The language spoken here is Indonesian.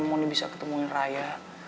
moni bisa ketemuin raya